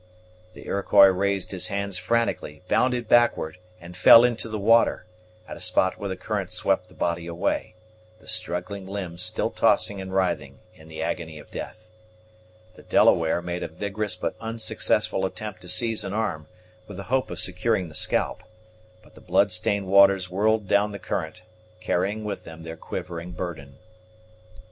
The Iroquois raised his hands frantically, bounded backward, and fell into the water, at a spot where the current swept the body away, the struggling limbs still tossing and writhing in the agony of death. The Delaware made a vigorous but unsuccessful attempt to seize an arm, with the hope of securing the scalp; but the bloodstained waters whirled down the current, carrying with them their quivering burden.